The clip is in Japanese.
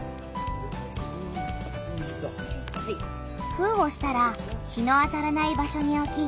封をしたら日の当たらない場所におき